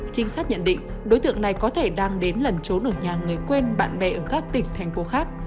trinh sát nhận định đối tượng này có thể đang đến lần trốn ở nhà người quen bạn bè ở các tỉnh thành phố khác